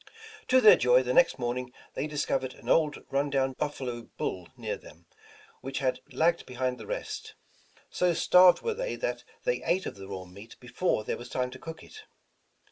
To their joy, the next morning they discovered an old run down buffalo bull near them, which had lagged behind the rest. So starved were they that they ate of the raw meat before there was time to cook it.